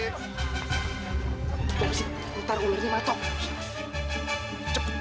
dengan semangat empat puluh lima kita selamatkan jabat prt kita